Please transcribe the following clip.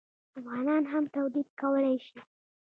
افغانان هم تولید کولی شي.